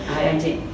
hai anh chị